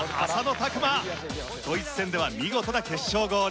ドイツ戦では見事な決勝ゴール。